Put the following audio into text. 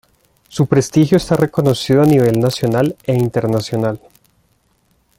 Su prestigio está reconocido a nivel nacional e internacional.